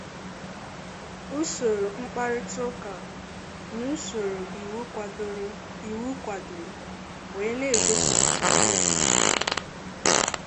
usoro mkparịtaụka na usoro iwu kwàdòrò wee na-egosipụta obi ha